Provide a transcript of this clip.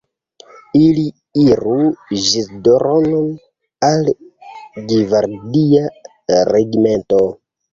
Ili iru Ĵizdro'n, al gvardia regimento.